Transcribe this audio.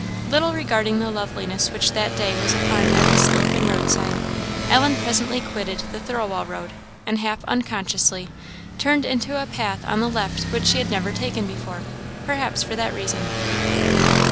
Little regarding the loveliness which that day was upon every slope and roadside, Ellen presently quitted the Thirlwall road, and, half unconsciously, turned into a path on the left which she had never taken before perhaps for that reason.